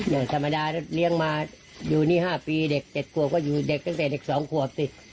อย่างธรรมดาเลี้ยงมาอยู่นี่๕ปีเด็ก๗ขวบก็อยู่เด็กตั้งแต่เด็ก๒ขวบติด